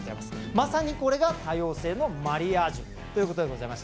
まさにこれが多様性のマリアージュということでございます。